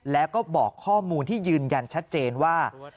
แล้วก็บอกข้อมูลที่ยืนยันชัดเจนว่า